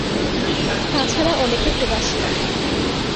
তাছাড়া অনেকে প্রবাসী।